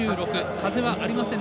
風はありません。